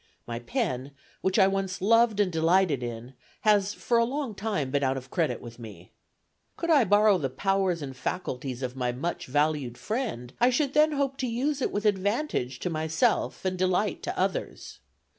My pen, which I once loved and delighted in, has for a long time been out of credit with me. Could I borrow the powers and faculties of my much valued friend, I should then hope to use it with advantage to myself and delight to others.